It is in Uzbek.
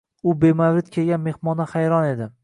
U bemavrid kelgan mehmondan hayron edi.